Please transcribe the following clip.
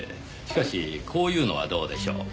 しかしこういうのはどうでしょう。